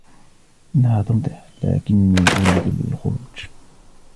إنها تمطر ، لكني أريد الخروج.